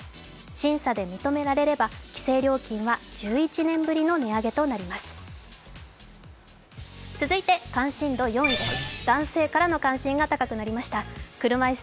審査で認められれば規制料金が１１年ぶりの値上げとなります。